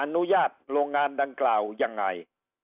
อนุญาตโรงงานดังกล่าวยังไง